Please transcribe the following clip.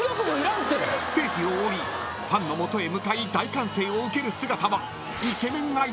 ［ステージを降りファンの元へ向かい大歓声を受ける姿は］